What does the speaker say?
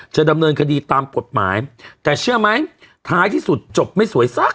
จะดำเนินคดีตามกฎหมายแต่เชื่อไหมท้ายที่สุดจบไม่สวยซะ